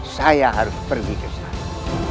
saya harus pergi ke sana